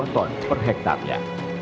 dua ton per hektarnya